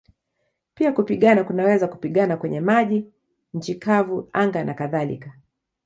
Pia kupigana kunaweza kupigana kwenye maji, nchi kavu, anga nakadhalika.